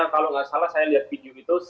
kalau nggak salah saya lihat video itu